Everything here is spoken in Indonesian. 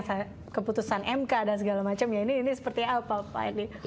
ya ini seperti apa pak